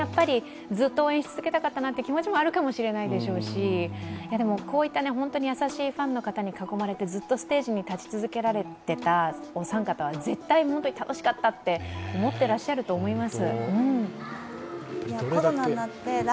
ずっと応援し続けたかったという気持ちもあるでしょうしでもこういった優しいファンの方に囲まれてずっとステージに立ち続けられてたお三方は絶対、楽しかったって思ってらっしゃると思います。